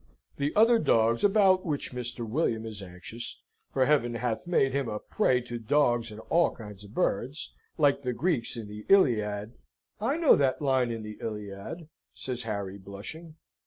The other dogs about which Mr. William is anxious, for Heaven hath made him a prey to dogs and all kinds of birds, like the Greeks in the Iliad " "I know that line in the Iliad," says Harry, blushing.